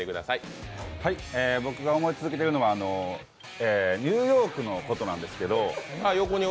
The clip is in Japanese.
僕が思い続けてるのはニューヨークのことなんですけども。